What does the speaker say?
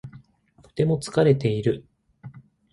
とても疲れている。